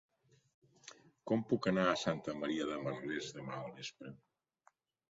Com puc anar a Santa Maria de Merlès demà al vespre?